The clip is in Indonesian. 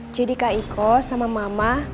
jadi kak iko sama mama